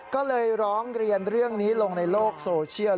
ก็เลยร้องเรียนเรื่องนี้ลงในโลกโซเชียล